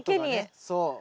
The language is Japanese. そう。